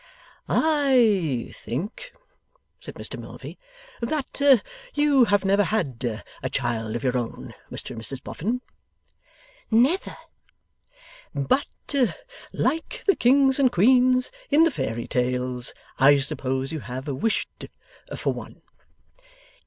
'I think,' said Mr Milvey, 'that you have never had a child of your own, Mr and Mrs Boffin?' Never. 'But, like the Kings and Queens in the Fairy Tales, I suppose you have wished for one?